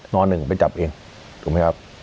น้อหนึ่งไปจับเองถูกมั้ยครับ